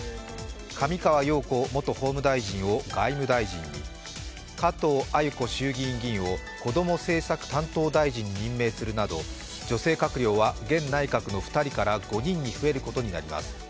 上川陽子元法務大臣を外務大臣に加藤鮎子衆議院議員をこども政策担当大臣に任命するなど、女性閣僚は現内閣の２人から５人に増えることになります。